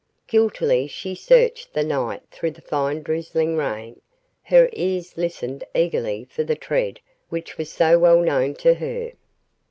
Guiltily she searched the night through the fine drizzling rain; her ears listened eagerly for the tread which was so well known to her.